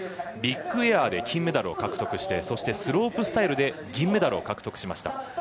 ビッグエアで金メダルを獲得してそして、スロープスタイルで銀メダルを獲得しました。